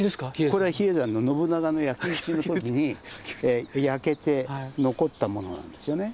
これは比叡山の信長の焼き打ちの時に焼けて残ったものなんですよね。